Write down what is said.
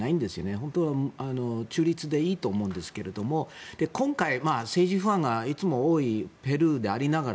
本当は中立でいいと思うんですけど今回、政治不安がいつも多いペルーでありながら